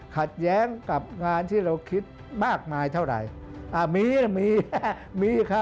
ขัดแย้งกับงานที่เราคิดมากมายเท่าไร